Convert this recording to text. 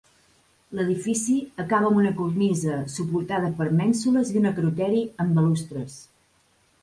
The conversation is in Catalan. L'edifici acaba amb una cornisa suportada per mènsules i un acroteri amb balustres.